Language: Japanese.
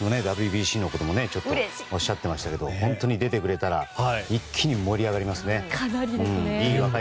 ＷＢＣのこともおっしゃってましたけど本当に出てくれたら一気に盛り上がりますね。